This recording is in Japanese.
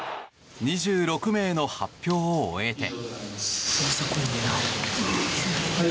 ２６名の発表を終えて。